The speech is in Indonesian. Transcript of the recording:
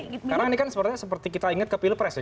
karena ini kan seperti kita ingat ke pilpres ya